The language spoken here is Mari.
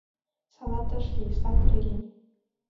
Салат ыш лий, сакыр лий.